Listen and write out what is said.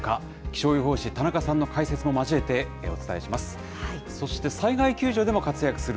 気象予報士、田中さんの解説を交えてお伝えします。